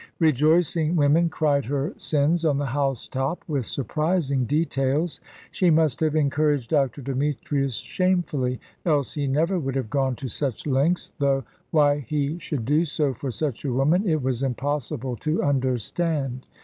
Rejoicing women cried her sins on the housetop with surprising details. She must have encouraged Dr. Demetrius shamefully, else he never would have gone to such lengths, though why he should do so for such a woman it was impossible to understand.